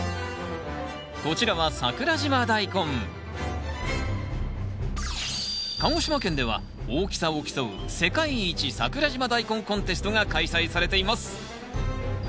こちらは鹿児島県では大きさを競う世界一桜島大根コンテストが開催されています。